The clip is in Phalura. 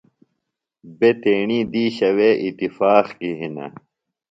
بےۡ تیݨی دِیشہ وے اتفاق کی ہِنہ۔